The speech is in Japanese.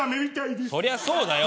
そりゃそうだよ。